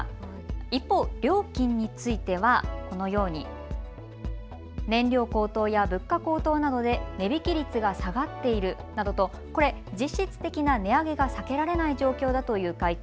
一方、料金についてはこのように燃料高騰や物価高騰などで値引き率が下がっているなどとこれ、実質的な値上げが避けられない状況だという回答。